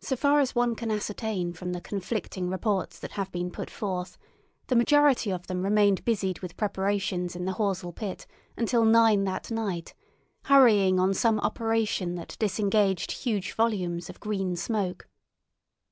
So far as one can ascertain from the conflicting accounts that have been put forth, the majority of them remained busied with preparations in the Horsell pit until nine that night, hurrying on some operation that disengaged huge volumes of green smoke.